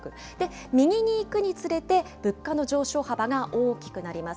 右にいくにつれて、物価の上昇幅が大きくなります。